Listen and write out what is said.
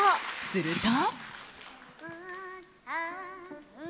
すると。